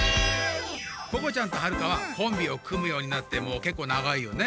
ここちゃんとはるかはコンビをくむようになってもうけっこうながいよね。